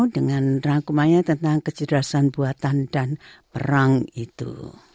dengan rangkumannya tentang kecerdasan buatan dan perang itu